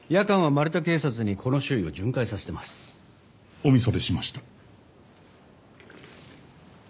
お見それしました。